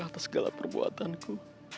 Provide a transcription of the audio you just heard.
atas segala perbuatanku